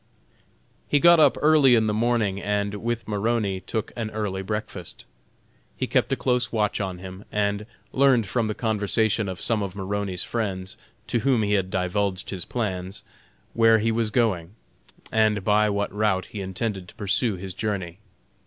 He got up early in the morning and, with Maroney, took an early breakfast. He kept a close watch on him, and learned from the conversation of some of Maroney's friends, to whom he had divulged his plans, where he was going, and by what route he intended to pursue his journey.